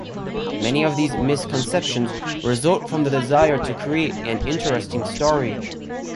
Many of these misconceptions result from the desire to create an interesting story.